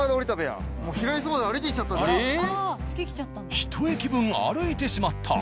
１駅分歩いてしまった。